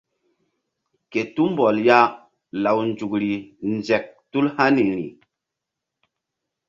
Ke tumbɔl ya law nzukri nzek tul haniri.